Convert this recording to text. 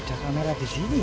oh ada kamera di sini ya